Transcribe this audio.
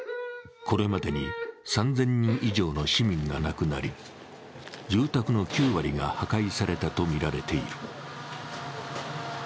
これまでに３０００人以上の市民が亡くなり住宅の９割が破壊されたとみられている。